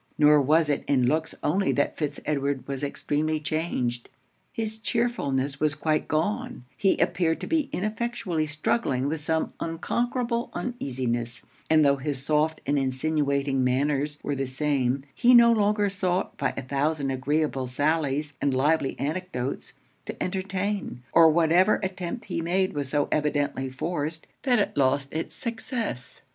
Nor was it in looks only that Fitz Edward was extremely changed. His chearfulness was quite gone; he appeared to be ineffectually struggling with some unconquerable uneasiness; and tho' his soft and insinuating manners were the same, he no longer sought, by a thousand agreeable sallies and lively anecdotes, to entertain; or whatever attempt he made was so evidently forced, that it lost it's success.